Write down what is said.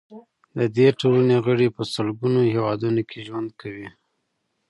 د دې ټولنې غړي په سلګونو هیوادونو کې ژوند کوي.